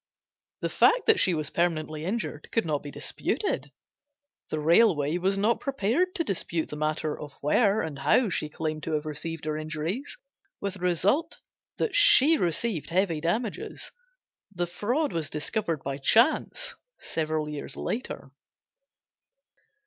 The fact that she was permanently injured could not be disputed; the railway was not prepared to dispute the matter of where and how she claimed to have received her injuries, with the result that she received heavy damages. The fraud was discovered by chance several years later.